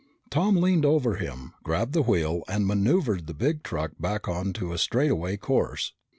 Tom leaned over him, grabbed the wheel, and maneuvered the big truck back onto a straightaway course.